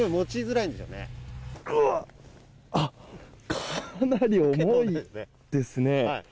かなり重いですね。